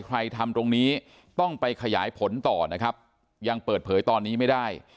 ทำตรงนี้ต้องไปขยายผลต่อนะครับยังเปิดเผยตอนนี้ไม่ได้